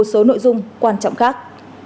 số nội dung quan trọng khác